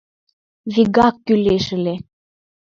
— Вигак кӱлеш ыле.